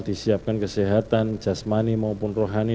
disiapkan kesehatan jasmani maupun rohani